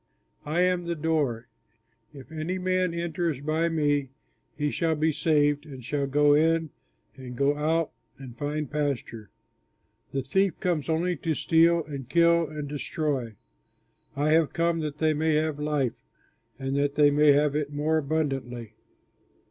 "I am the Door; if any man enters by me he shall be saved and shall go in and go out and find pasture. The thief comes only to steal and kill and destroy. I have come that they may have life, and that they may have it more abundantly.